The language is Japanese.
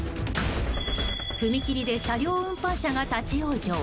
踏切で車両運搬車が立ち往生。